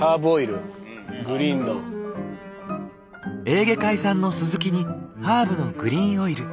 エーゲ海産のスズキにハーブのグリーンオイル